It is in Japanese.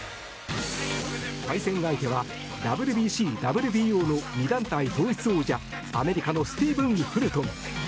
対戦相手はＷＢＣ、ＷＢＯの２団体統一王者アメリカのスティーブン・フルトン。